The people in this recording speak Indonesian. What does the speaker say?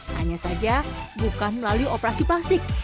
hanya saja bukan melalui operasi plastik